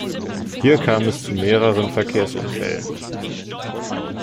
Hier kam es zu mehreren Verkehrsunfällen.